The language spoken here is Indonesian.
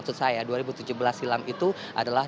dua ribu tujuh belas silam itu adalah